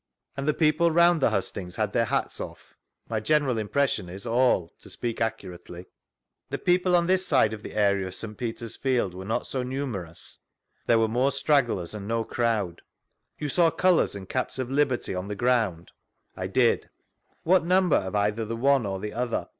And the people round the hustings had their hats off? — My general impression is, all, to speak accurately. The people on this side of the area of St. Peter's field were not so numerous ?— There were more stragglers, and no crowd. You saw cfdours and caps of liberty on the ground? — I did. What number of either the one or the other?